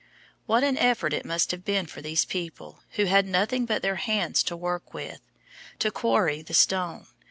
What an effort it must have been for these people, who had nothing but their hands to work with, to quarry the stone.